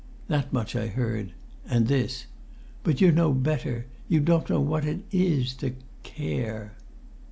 That much I heard, and this: "But you're no better! You don't know what it is to care!"